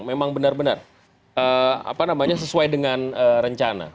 memang benar benar sesuai dengan rencana